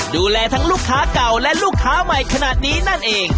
ดูแลทั้งลูกค้าเก่าและลูกค้าใหม่ขนาดนี้นั่นเอง